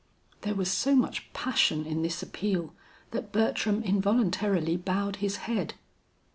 There was so much passion in this appeal that Bertram involuntarily bowed his head.